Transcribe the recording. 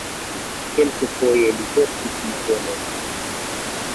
Kelkfoje li verkis novelojn.